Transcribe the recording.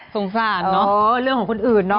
สงสารเนอะเรื่องของคนอื่นเนาะ